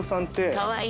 かわいい。